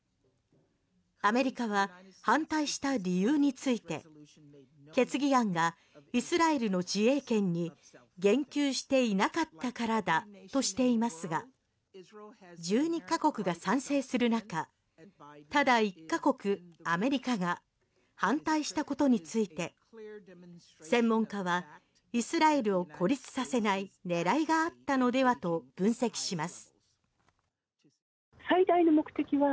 アメリカは反対した理由について決議案がイスラエルの自衛権に言及していなかったからだとしていますが１２カ国が賛成する中ただ１カ国アメリカが反対したことについて専門家はイスラエルを孤立させない狙いがあったのではと分析します。